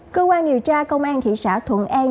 cơ quan điều tra công an thị xã thuận an